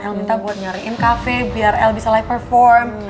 el minta buat nyariin cafe biar l bisa live perform